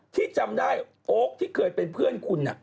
ที่จำได้โอ๊คที่เคยเป็นเพื่อนคุณ